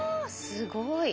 すごい。